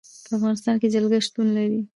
په افغانستان کې جلګه شتون لري.